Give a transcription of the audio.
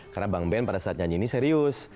karena bang ben pada saat nyanyi ini serius